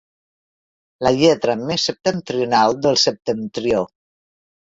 La lletra més septentrional del septentrió.